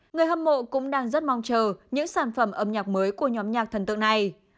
người hâm mộ cũng đang rất mong chờ những sản phẩm âm nhạc mới của nhóm nhạc thần tượng này